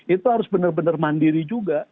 itu harus benar benar mandiri juga